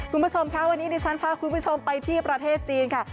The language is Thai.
คุณผู้ชมค่ะวันนี้ดิฉันพาคุณผู้ชมไปที่ประเทศจีนค่ะ